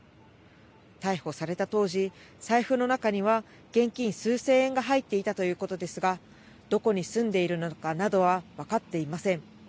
逮捕された当時、財布の中には現金数千円が入っていたということですが、どこに住んでいるなどは分かっていません。